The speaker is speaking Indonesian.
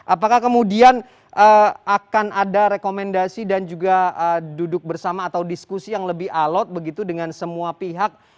apakah kemudian akan ada rekomendasi dan juga duduk bersama atau diskusi yang lebih alot begitu dengan semua pihak